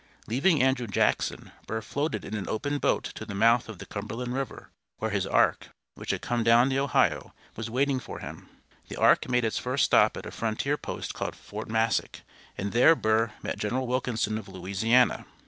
Leaving Andrew Jackson, Burr floated in an open boat to the mouth of the Cumberland River, where his ark, which had come down the Ohio, was waiting for him. The ark made its first stop at a frontier post called Fort Massac, and there Burr met General Wilkinson of Louisiana.